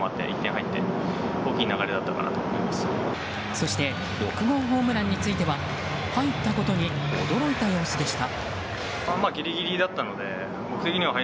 そして６号ホームランについては入ったことに驚いた様子でした。